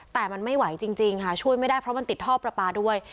แต่มันไม่ไหวจริงค่ะช่วยไม่ได้เพราะมันติดท่อประปาด้วย